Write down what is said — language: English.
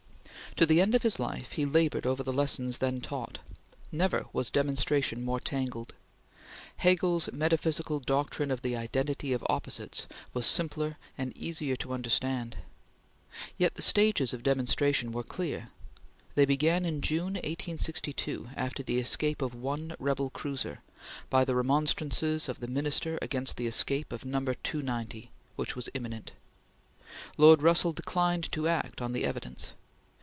To the end of his life he labored over the lessons then taught. Never was demonstration more tangled. Hegel's metaphysical doctrine of the identity of opposites was simpler and easier to understand. Yet the stages of demonstration were clear. They began in June, 1862, after the escape of one rebel cruiser, by the remonstrances of the Minister against the escape of "No. 290," which was imminent. Lord Russell declined to act on the evidence.